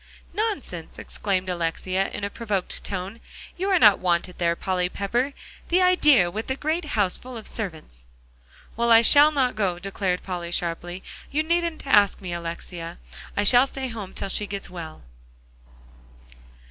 "Nonsense!" exclaimed Alexia in a provoked tone; "you are not wanted there, Polly Pepper; the idea, with that great house full of servants." "Well, I shall not go," declared Polly sharply; "you needn't ask me, Alexia. I shall stay home till she gets well."